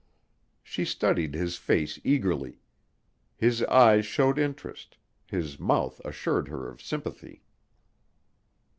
She studied his face eagerly. His eyes showed interest; his mouth assured her of sympathy.